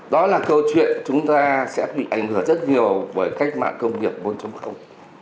đó là câu chuyện chúng ta sẽ bị ảnh hưởng rất nhiều bởi cách mạng công nghiệp bốn